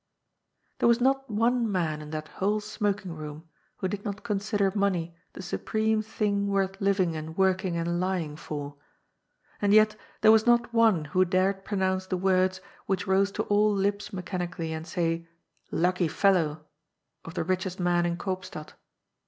There was not one man in that whole smoking room who did not consider money the supreme thing worth living and working and lying for. And yet there was not one who dared pronounce the words which rose to all lips me chanically, and say :'' Lucky fellow !" of the richest man in Koopstad.